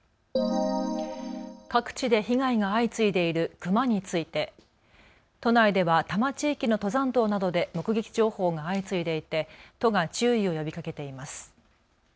各地で被害が相次いでいるクマについて都内では多摩地域の登山道などで目撃情報が相次いでいて都が注意を呼びかけています。